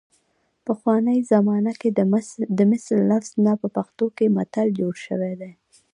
پخوانۍ زمانه کې د مثل لفظ نه په پښتو کې متل جوړ شوی دی